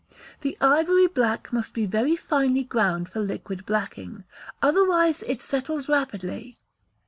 The ivory black must be very finely ground for liquid blacking, otherwise it settles rapidly.